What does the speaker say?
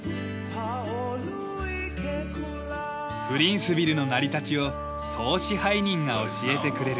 プリンスヴィルの成り立ちを総支配人が教えてくれる。